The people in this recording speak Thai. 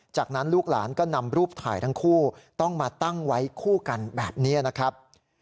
จากนั้นลูกหลานก็นำรูปถ่ายทั้งคู่ต้องมาตั้งไว้คู่กันแบบนี้นะครับ